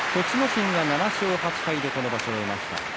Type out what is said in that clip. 心が７勝８敗でこの場所を終えました。